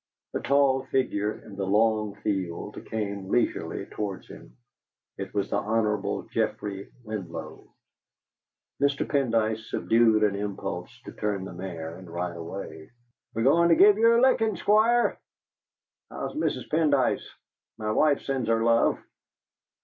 A tall figure in the "long field" came leisurely towards him. It was the Hon. Geoffrey Winlow. Mr. Pendyce subdued an impulse to turn the mare and ride away. "We're going to give you a licking, Squire! How's Mrs. Pendyce? My wife sent her love."